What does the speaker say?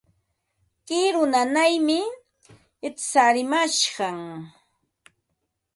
Kiru nanaymi tsarimashqan.